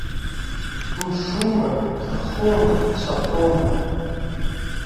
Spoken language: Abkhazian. Мшума, ҵхума, цәаҳәоума.